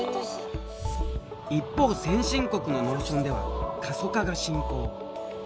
一方先進国の農村では過疎化が進行。